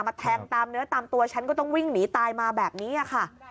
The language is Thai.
แทงตามเนื้อตามตัวฉันก็ต้องวิ่งหนีตายมาแบบนี้ค่ะ